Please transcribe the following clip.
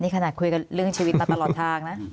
ขนาดคุยกันเรื่องชีวิตมาตลอดทางนะ